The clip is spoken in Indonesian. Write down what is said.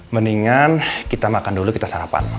mendingan kita makan dulu kita sarapan